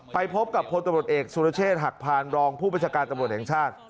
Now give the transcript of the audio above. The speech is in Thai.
ไปพบกับพลตำรวจเอกสุรเชษฐ์หักพานรองผู้ประชาการตำรวจแห่งชาติ